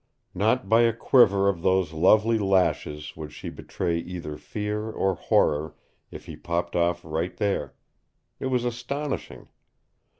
Not by a quiver of those lovely lashes would she betray either fear or horror if he popped off right there. It was astonishing.